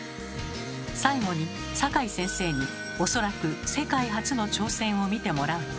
最後に坂井先生におそらく世界初の挑戦を見てもらうと。